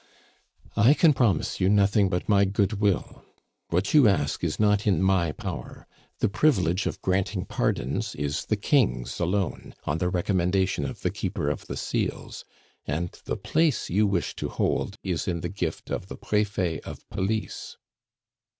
"I can promise you nothing but my goodwill. What you ask is not in my power. The privilege of granting pardons is the King's alone, on the recommendation of the Keeper of the Seals; and the place you wish to hold is in the gift of the Prefet of Police."